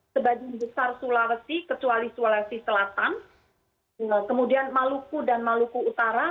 sebagian besar sulawesi kecuali sulawesi selatan kemudian maluku dan maluku utara